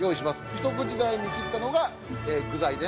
一口大に切ったのがええ具材ね。